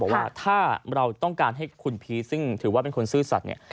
ว่าถ้าเราต้องการให้คุณพีชซึ่งถือว่าเป็นคนซื่อสัตว์เนี่ย